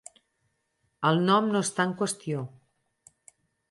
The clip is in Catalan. El nom no està en qüestió.